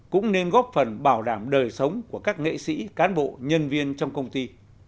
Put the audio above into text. cũng nên góp phần bảo đảm đời sống của các nghệ sĩ cán bộ nhân viên trong công ty